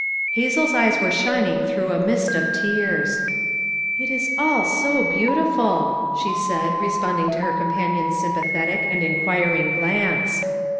Hazel's eyes were shining through a mist of tears. "It is all so beautiful !" she said, responding to her companion's sympathetic and enquiring glance.